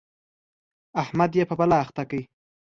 احمد يې په بلا اخته کړ.